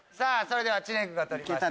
知念君が撮りました